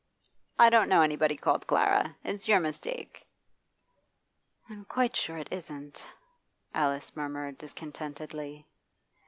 'I don't know anybody called Clara. It's your mistake.' 'I'm quite sure it isn't,' Alice murmured discontentedly.